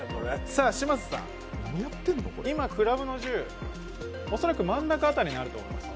嶋佐さん、今クラブの１０、恐らく真ん中あたりにあると思います。